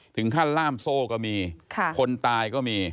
ถึงขั้นล่ามโซ่ก็มีคนตายก็มี